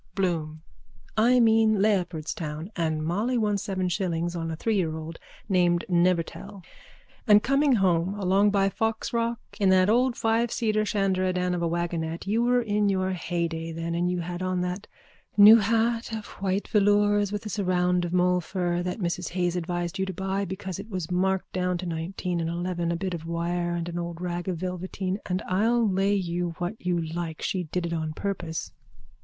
BLOOM: I mean, Leopardstown. And Molly won seven shillings on a three year old named Nevertell and coming home along by Foxrock in that old fiveseater shanderadan of a waggonette you were in your heyday then and you had on that new hat of white velours with a surround of molefur that Mrs Hayes advised you to buy because it was marked down to nineteen and eleven, a bit of wire and an old rag of velveteen, and I'll lay you what you like she did it on purpose...